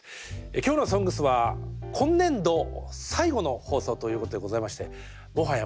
今日の「ＳＯＮＧＳ」は今年度最後の放送ということでございましてもはやもうおなじみですね